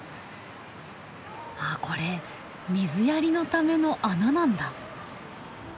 あっこれ水やりのための穴なんだ。